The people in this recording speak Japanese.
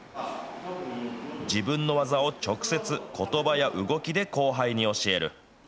自分の技を直接、ことばや動きで後輩に教える。